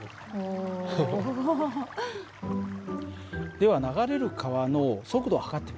では流れる川の速度を測ってみよう。